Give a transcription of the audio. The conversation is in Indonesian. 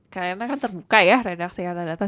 kalian kan terbuka ya redaksi atan atan